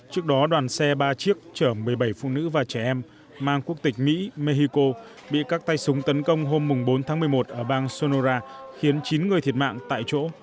trước đó đoàn xe ba chiếc chở một mươi bảy phụ nữ và trẻ em mang quốc tịch mỹ mexico bị các tay súng tấn công hôm bốn tháng một mươi một ở bang sonora khiến chín người thiệt mạng tại chỗ